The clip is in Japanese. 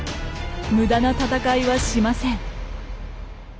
無駄な戦いはしません。